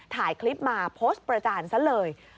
ถ่ายคลิปมาโพสต์ประจานซะเลย